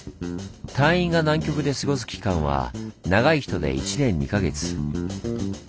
隊員が南極で過ごす期間は長い人で１年２か月。